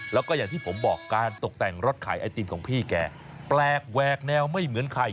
แล้วก็อย่างที่ผมบอกการตกแต่งรถขายไอติมของพี่แกแปลกแวกแนวไม่เหมือนใคร